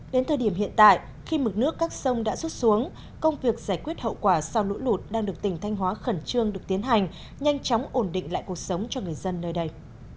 đến thời điểm hiện tại khi mực nước các sông đã rút xuống công việc giải quyết hậu quả sau lũ lụt đang được tỉnh thanh hóa khẩn trương được tiến hành nhanh chóng ổn định lại cuộc sống cho người dân nơi đây